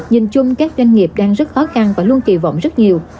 nhìn chung các doanh nghiệp đang rất khó khăn và luôn kỳ vọng rất nhiều